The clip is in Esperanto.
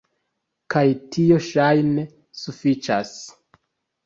Kaj tio ŝajne sufiĉas.